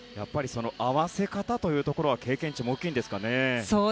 合わせ方というところは経験値も大きいんですか？